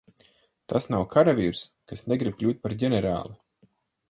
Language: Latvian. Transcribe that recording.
Tas nav karavīrs, kas negrib kļūt par ģenerāli.